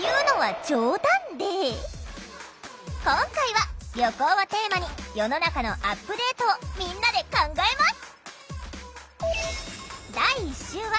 今回は「旅行」をテーマに世の中のアップデートをみんなで考えます！